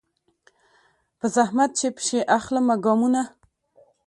په زحمت چي پکښي اخلمه ګامونه